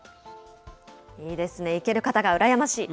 いいですね、行ける方が羨ましい。